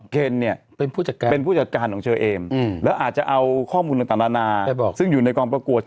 เคนนี่เป็นผู้จัดการของเชอเอมแล้วอาจจะเอาข้อมูลต่างนานาซึ่งอยู่ในกองประกวด